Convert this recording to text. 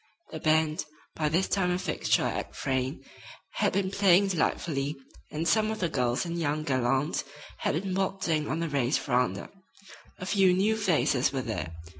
The band, by this time a fixture at Frayne, had been playing delightfully, and some of the girls and young gallants had been waltzing on the Rays' veranda. A few new faces were there.